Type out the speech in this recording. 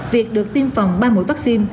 việc được tiêm phòng ba mũi vaccine